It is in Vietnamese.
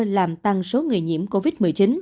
làm tăng số người nhiễm covid một mươi chín